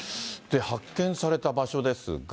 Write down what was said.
発見された場所ですが。